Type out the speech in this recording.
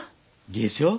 でしょう？